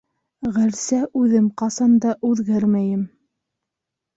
Гәрсә үҙем ҡасан да үҙгәрмәйем.